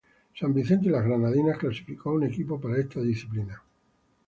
San Vicente y las Granadinas clasificó a un equipo para esta disciplina.